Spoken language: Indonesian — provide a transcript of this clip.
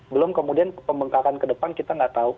belum kemudian pembengkakan ke depan kita nggak tahu